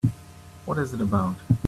What is it about?